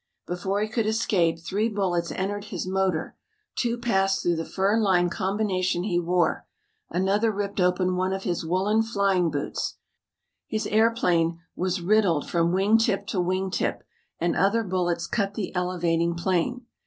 Before he could escape three bullets entered his motor, two passed through the fur lined combination he wore, another ripped open one of his woolen flying boots, his airplane was riddled from wing tip to wing tip, and other bullets cut the elevating plane.